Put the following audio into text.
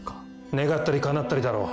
願ったりかなったりだろう